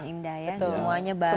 indah ya semuanya baru